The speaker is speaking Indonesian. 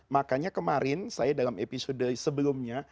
makanya kemarin saya dalam episode sebelumnya